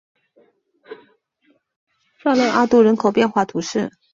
萨勒阿杜人口变化图示